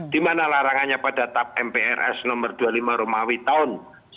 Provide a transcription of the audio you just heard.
dimana larangannya pada tap mprs nomor dua puluh lima romawi tahun seribu sembilan ratus enam puluh enam